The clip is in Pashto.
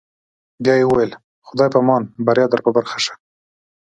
بیا یې وویل: خدای په امان، بریا در په برخه شه.